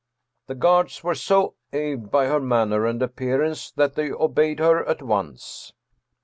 The guards were so awed by her manner and appearance that they obeyed her at once.